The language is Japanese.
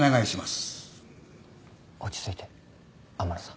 落ち着いて天野さん。